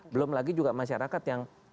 belum lagi juga masyarakat yang